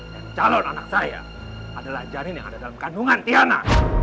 dan calon anak saya adalah janin yang ada dalam kandungan tiana